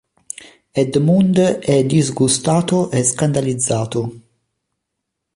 Edmund è disgustato e scandalizzato.